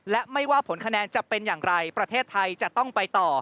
และไม่ว่าผลคะแนนจะเป็นอย่างไรประเทศไทยจะต้องไปต่อ